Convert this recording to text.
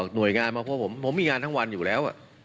หน่วยงานมาพบผมผมมีงานทั้งวันอยู่แล้ว